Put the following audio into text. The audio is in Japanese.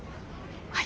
はい。